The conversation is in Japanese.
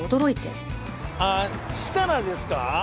ああ設楽ですか？